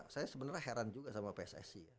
saya sebenarnya heran juga sama pssi ya